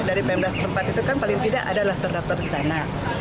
dari pembahas tempat itu kan paling tidak ada daftar daftar di sana